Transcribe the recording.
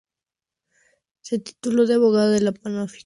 Se tituló de abogada de la Pontificia Universidad Católica de Chile.